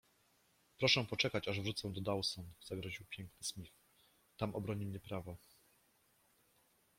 Proszę poczekać, aż wrócę do Dawson zagroził Piękny Smith. - Tam obroni mnie prawo!